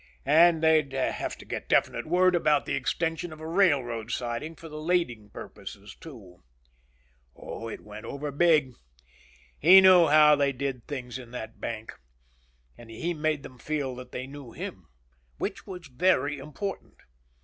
And they'd have to get definite word about the extension of a railroad siding for the lading purposes, too. Oh, it went over big. He knew how they did things in that bank. And he made them feel they knew him. Which was very important.